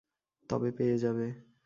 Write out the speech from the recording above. তবে পেয়ে যাবে।